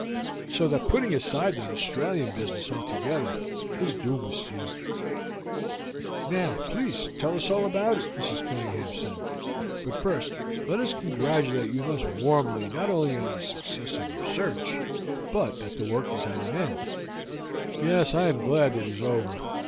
So that putting aside that Australian business altogether, his doom was sealed." "Now, please, tell us all about it," Mrs. Cunningham said. "But first let us congratulate you most warmly not only on the success of your search, but that the work is at an end." "Yes, I am glad it is over.